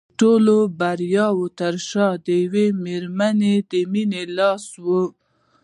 د ټولو د بریاوو تر شا د یوې مېرمنې د مینې لاس و